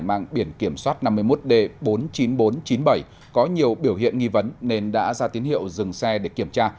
mang biển kiểm soát năm mươi một d bốn mươi chín nghìn bốn trăm chín mươi bảy có nhiều biểu hiện nghi vấn nên đã ra tín hiệu dừng xe để kiểm tra